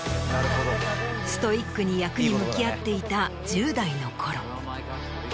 ストイックに役に向き合っていた１０代のころ。